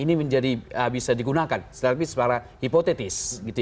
ini bisa digunakan setidaknya sebuah hipotesis